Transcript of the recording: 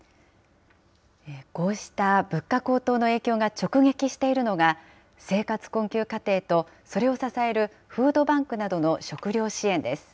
こうした物価高騰の影響が直撃しているのが、生活困窮家庭と、それを支えるフードバンクなどの食料支援です。